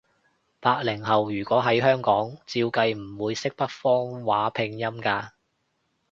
八零後，如果喺香港，照計唔會識北方話拼音㗎